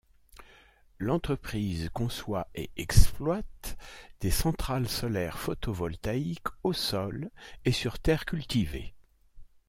L'entreprise conçoit et exploite des centrales solaires photovoltaïques au sol et sur terres cultivées.